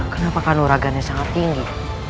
kenapa kanuragannya sangat tinggi